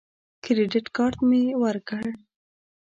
کریډټ کارت مې ورکړ.